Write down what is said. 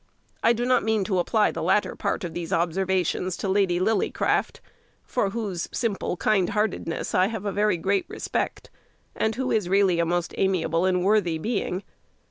I do not mean to apply the latter part of these observations to Lady Lillycraft, for whose simple kindheartedness I have a very great respect, and who is really a most amiable and worthy being.